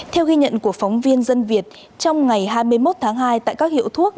theo ghi nhận của phóng viên dân việt trong ngày hai mươi một tháng hai tại các hiệu thuốc